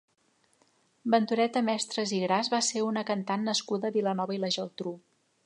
Ventureta Mestres i Gras va ser una cantant nascuda a Vilanova i la Geltrú.